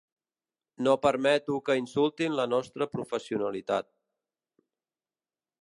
No permeto que insultin la nostra professionalitat.